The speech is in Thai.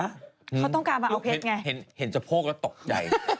เขาต้องการมาเอาเพชรไงเห็นสะโพกแล้วตกใจ